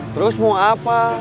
terus mau apa